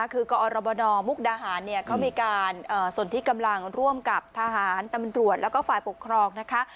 คือกอรบนมุกดาหารเขามีการสนที่กำลังร่วมกับทหารตำรวจแล้วก็ฝ่ายปกครองนะคะ